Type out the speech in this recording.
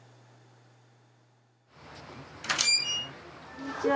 ・こんにちは。